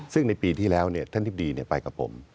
ซึ่งในปีที่แล้วเนี่ยท่านทิพดีเนี่ยไปกับผม